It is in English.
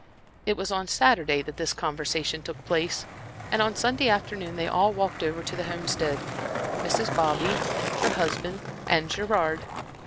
It was on Saturday that this conversation took place; and on Sunday afternoon they all walked over to the Homestead Mrs. Bobby, her husband and Gerard.